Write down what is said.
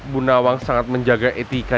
bu nawang sangat menjaga etika